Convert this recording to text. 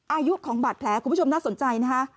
อายุของบัตรแพ้คุณผู้ชมน่าสนใจนะครับ